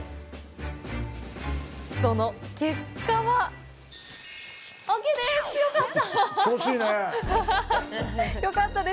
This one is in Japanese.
その結果はＯＫです！